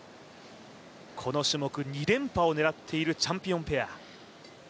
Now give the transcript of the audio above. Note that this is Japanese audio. この種目２連覇を狙っているチャンピオンペア。